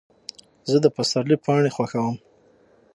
زه د پسرلي پاڼې خوښوم.